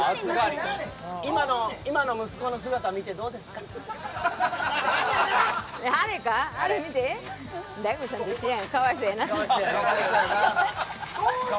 今の息子の姿を見てどうですか？